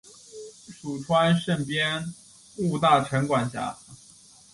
属川滇边务大臣管辖。